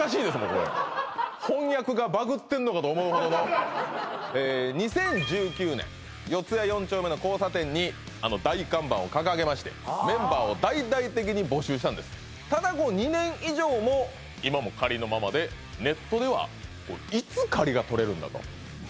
これ翻訳がバグッてんのかと思うほどの２０１９年四谷四丁目の交差点にあの大看板を掲げましてメンバーを大々的に募集したんですただ２年以上も今も仮のままでネットではいつ始まるんだ？